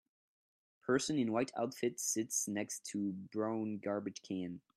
Person in white outfit sits next to brown garbage can